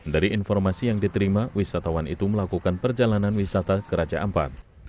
dari informasi yang diterima wisatawan itu melakukan perjalanan wisata ke raja ampat